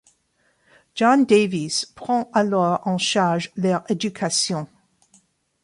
John Davies prend alors en charge leur éducation.